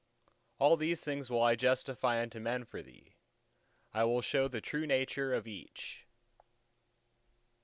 All these things will I justify unto men for Thee. I will show the true nature of each.